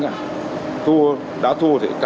đã thua thì không có đối tượng nào là thắng cả